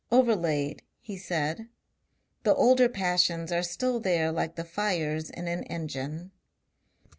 "Overlaid," he said. "The older passions are still there like the fires in an engine."